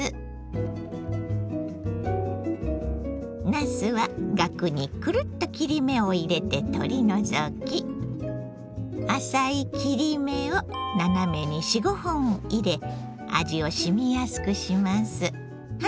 なすはガクにくるっと切り目を入れて取り除き浅い切り目を斜めに４５本入れ味をしみやすくします。